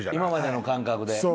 今までの感覚で。